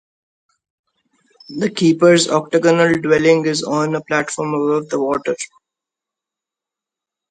The keeper's octagonal dwelling is on a platform above the water.